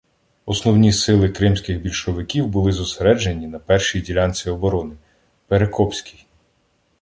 Основні сили кримських більшовиків були зосереджені на першій ділянці оборони — Перекопській.